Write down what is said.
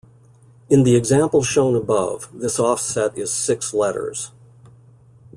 In the example shown above, this offset is six letters.